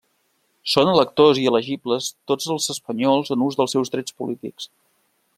Són electors i elegibles tots els espanyols en ús dels seus drets polítics.